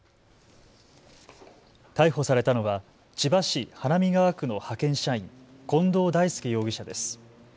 逮捕されたのは千葉市花見川区の派遣社員、近藤大輔容疑者です。